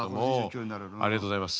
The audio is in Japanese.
ありがとうございます。